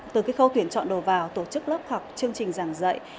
từ khâu tuyển chọn đồ vào tổ chức lớp học chương trình giảng dạy